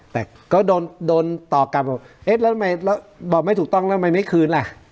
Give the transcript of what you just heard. แต่ก็โดนต่อกลับบอกเอ๊ะแล้วทำไมบอกไม่ถูกต้องแล้วทำไมไม่คืนล่ะ